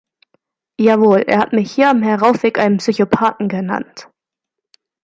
Jawohl, er hat mich hier am Heraufweg einen Psychopathen genannt!